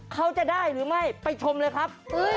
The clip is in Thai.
เขาจะได้หรือไม่ไปชมเลยครับ